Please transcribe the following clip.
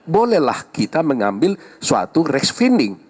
bolehlah kita mengambil suatu reksfinding